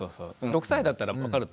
６歳だったら分かると思うし。